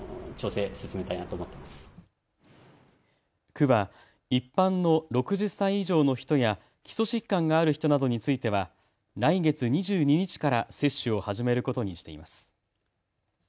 区は一般の６０歳以上の人や基礎疾患がある人などについては来月２２日から接種を始めることにしています。